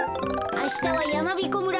あしたはやまびこ村